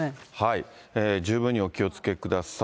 十分にお気をつけください。